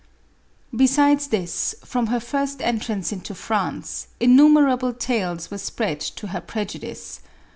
Besides this, from her first entrance into France, in numerable tales were spread to her prejudice.